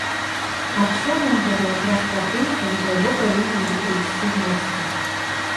Адчуў ён гэта якраз тады, калі да яго павінны былі прыйсці госці.